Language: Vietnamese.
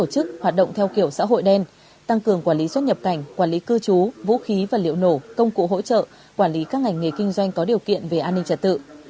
công cụ hỗ trợ quản lý các ngành nghề kinh doanh có điều kiện về an ninh trật tự